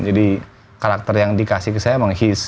jadi karakter yang dikasih ke saya emang he's